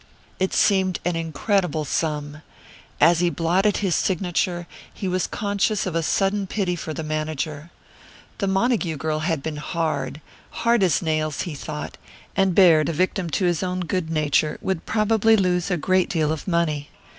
It seemed an incredible sum. As he blotted his signature he was conscious of a sudden pity for the manager. The Montague girl had been hard hard as nails, he thought and Baird, a victim to his own good nature, would probably lose a great deal of money.